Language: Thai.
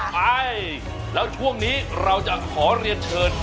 ไปแล้วช่วงนี้เราจะขอเรียนเชิญ